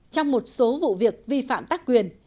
trong một số vụ việc vi phạm tác quyền